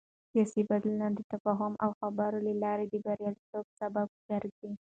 سیاسي بدلون د تفاهم او خبرو له لارې د بریالیتوب سبب ګرځي